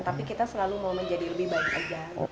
tapi kita selalu mau menjadi lebih baik aja